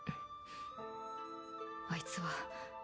あいつは